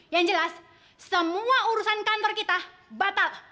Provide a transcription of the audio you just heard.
yang jelas semua urusan kantor kita batal